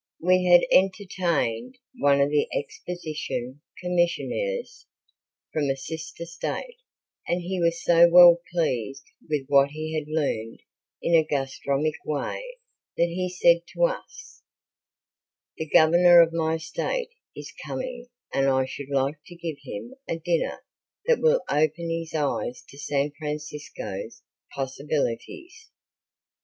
We had entertained one of the Exposition Commissioners from a sister State and he was so well pleased with what he had learned in a gastronomic way that he said to us: "The Governor of my State is coming and I should like to give him a dinner that will open his eyes to San Francisco's possibilities.